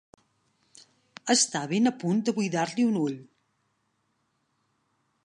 Està ben a punt de buidar-li un ull.